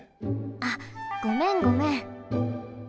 あっごめんごめん。